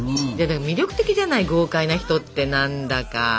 魅力的じゃない豪快な人って何だか。